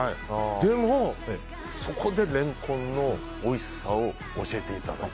でもそこでレンコンのおいしさを教えていただいた。